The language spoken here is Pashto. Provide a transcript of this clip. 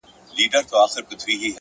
ښه ملګري ښه اغېز پرېږدي!